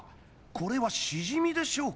これはしじみでしょうか？